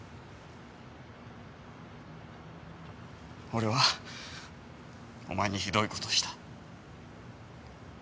俺はお前にひどい事をした。